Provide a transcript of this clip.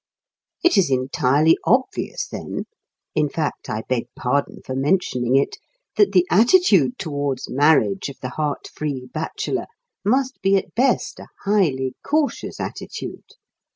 It is entirely obvious, then (in fact, I beg pardon for mentioning it), that the attitude towards marriage of the heart free bachelor must be at best a highly cautious attitude.